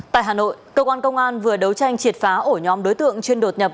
tại hà nội cơ quan công an vừa đấu tranh triệt phá ổ nhóm đối tượng chuyên đột nhập